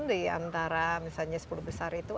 di antara misalnya sepuluh besar itu